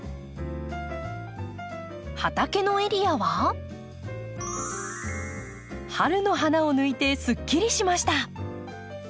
畑のエリアは春の花を抜いてすっきりしました。